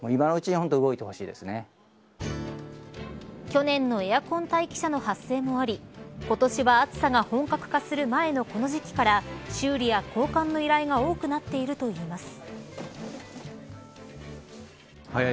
去年のエアコン待機者の発生もあり今年は暑さが本格化する前のこの時期から修理や交換の依頼が多くなっているといいます。